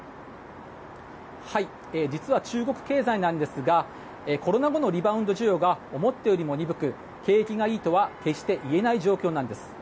実は、中国経済なんですがコロナ後のリバウンド需要が思ったよりも鈍く景気がいいとは決して言えない状況なんです。